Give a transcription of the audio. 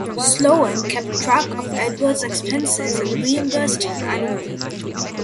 Sloan kept track of Edwards' expenses and reimbursed him annually.